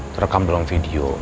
terekam dalam video